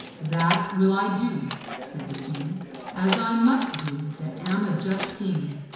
'That will I do,' said the king, 'as I must do, that am a just king.